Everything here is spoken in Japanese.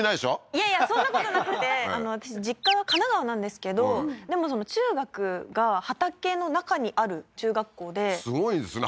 いやいやそんなことなくて私実家は神奈川なんですけどでも中学が畑の中にある中学校ですごいですね